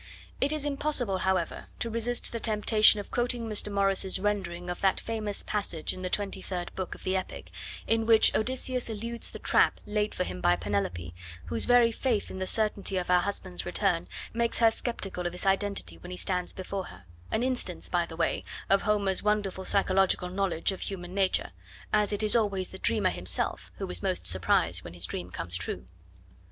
It is impossible, however, to resist the temptation of quoting Mr. Morris's rendering of that famous passage in the twenty third book of the epic, in which Odysseus eludes the trap laid for him by Penelope, whose very faith in the certainty of her husband's return makes her sceptical of his identity when he stands before her; an instance, by the way, of Homer's wonderful psychological knowledge of human nature, as it is always the dreamer himself who is most surprised when his dream comes true.